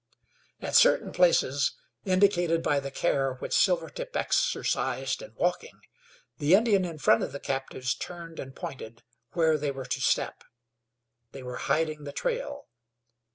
At certain places, indicated by the care which Silvertip exercised in walking, the Indian in front of the captives turned and pointed where they were to step. They were hiding the trail.